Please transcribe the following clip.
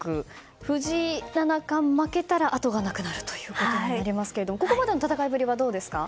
藤井七冠が負けたら後がなくなるということになりますがここまでの戦いぶりはどうですか。